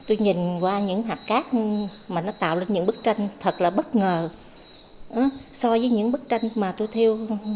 tôi nhìn qua những hạt cát mà nó tạo được những bức tranh thật là bất ngờ so với những bức tranh mà tôi theo